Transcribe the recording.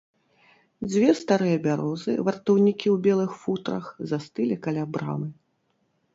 Дзве старыя бярозы, вартаўнікі ў белых футрах, застылі каля брамы.